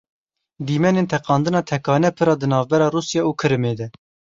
Dîmenên teqandina tekane pira di navbera Rûsya û Kirimê de.